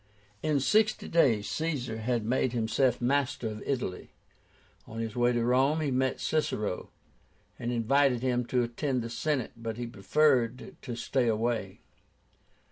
In sixty days Caesar had made himself master of Italy. On his way to Rome he met Cicero, and invited him to attend the Senate, but he preferred to stay away.